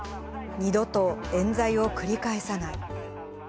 二度とえん罪を繰り返さない。